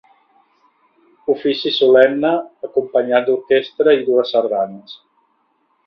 Ofici solemne acompanyat d'orquestra i dues sardanes.